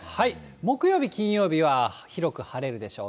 木曜日、金曜日は広く晴れるでしょう。